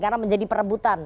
karena menjadi perebutan